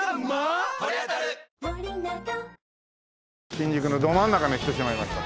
新宿のど真ん中に来てしまいました。